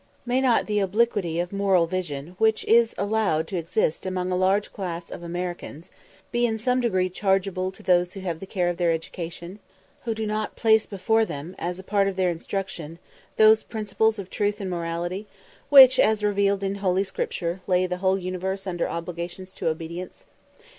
May not the obliquity of moral vision, which is allowed to exist among a large class of Americans, be in some degree chargeable to those who have the care of their education who do not place before them, as a part of their instruction, those principles of truth and morality, which, as revealed in Holy Scripture, lay the whole universe under obligations to obedience?